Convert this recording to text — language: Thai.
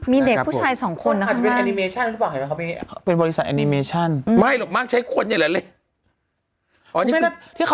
มาลองค่ะมีเด็กผู้ชาย๒คนนะค่ะ